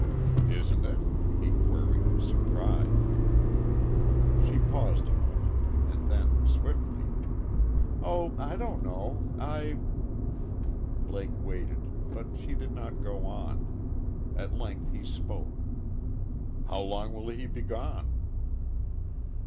"Isn't it?" he queried, surprised. She paused a moment; and then, swiftly: "Oh, I don't know. I " Blake waited. But she did not go on. At length he spoke: "How long will he be gone?"